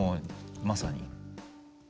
おまさに。